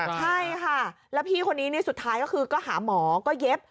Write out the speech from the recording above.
ใช่ค่ะแล้วพี่คนนี้สุดท้ายก็คือก็หาหมอก็เย็บ